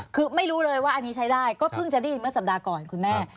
คือไม่รู้เลยว่าอันนี้ใช้ได้ก็เพิ่งจะได้ยินเมื่อสัปดาห์ก่อนคุณแม่